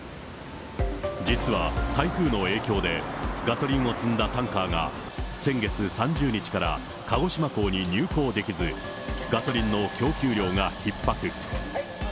実は台風の影響で、ガソリンを積んだタンカーが、先月３０日から鹿児島港に入港できず、ガソリンの供給量がひっ迫。